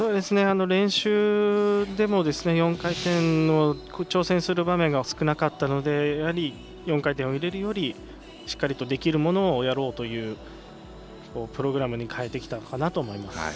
練習でも４回転に挑戦する場面が少なかったのでやはり４回転を入れるよりしっかりとできるものをやろうというプログラムに変えてきたと思います。